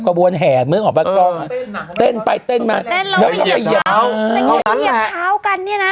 กระบวนแห่เมื่อออกมาก็เต้นไปเต้นมาแล้วก็ไปเยียบเท้ากันเนี่ยน่ะ